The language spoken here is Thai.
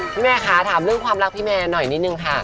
แม่คะถามเรื่องความรักพี่แมร์หน่อยนิดนึงค่ะ